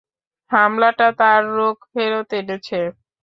হামলাটা তার রোগ ফেরত এনেছে।